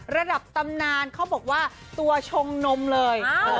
ระดับตำนานเขาบอกว่าตัวชงนมเลย